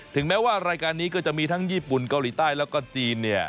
แม้ว่ารายการนี้ก็จะมีทั้งญี่ปุ่นเกาหลีใต้แล้วก็จีนเนี่ย